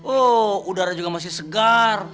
oh udara juga masih segar